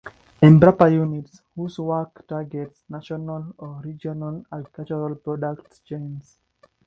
Embrapa Units whose work targets national or regional agricultural product chains.